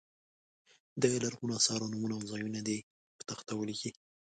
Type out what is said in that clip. د لرغونو اثارو نومونه او ځایونه دې په تخته ولیکي.